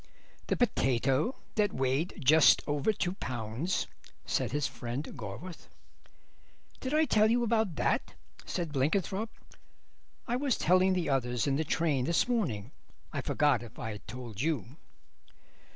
"The potato that weighed just over two pounds," said his friend Gorworth. "Did I tell you about that?" said Blenkinthrope; "I was telling the others in the train this morning. I forgot if I'd told you."